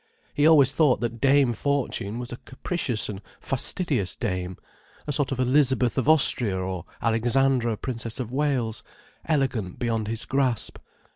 He always thought that Dame Fortune was a capricious and fastidious dame, a sort of Elizabeth of Austria or Alexandra, Princess of Wales, elegant beyond his grasp.